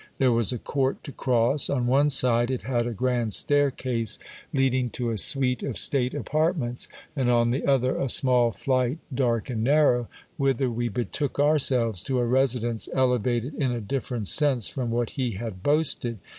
There was a court to cross ; on one side it had a grand staircase leading to a suite of state apart ments, and on the other a small flight, dark and narrow, whither we betook ourselves to a residence elevated in a different sense from what he had boasted.